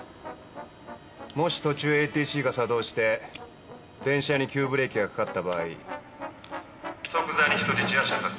もし途中ＡＴＣが作動して電車に急ブレーキがかかった場合即座に人質は射殺する。